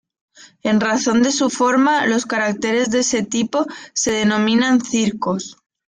En razón de su forma, los cráteres de ese tipo se denominan circos.